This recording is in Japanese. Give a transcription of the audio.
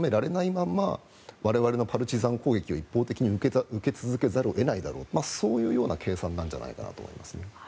まんま我々のパルチザン攻撃を受け続けざるを得ないだろうとそういう計算じゃないかなと思います。